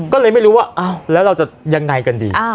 ก็เลยไม่รู้ว่าแล้วเราจะยังไงกันดี